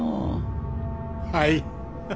はい。